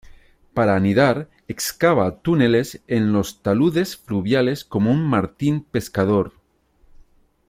Para anidar, excava túneles en los taludes fluviales como un martín pescador.